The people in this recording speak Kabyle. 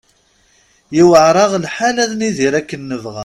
Yuɛer-aɣ lḥal ad nidir akken nebɣa.